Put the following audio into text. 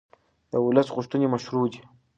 د ولس غوښتنې مشروع دي